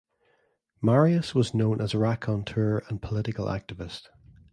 Marius was known as a raconteur and political activist.